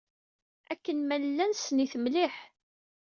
Akken ma nella nessen-it mliḥ.